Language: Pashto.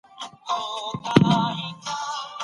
موږ د نړیوالو بشردوستانه مرستو پر وړاندي خنډ نه رامنځته کوو.